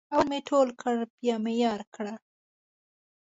اول مې تول کړ بیا مې یار کړ.